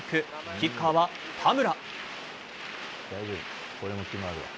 キッカーは田村。